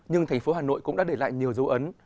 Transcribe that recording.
nhưng thành phố hà nội cũng đã để lại nhiều dấu ấn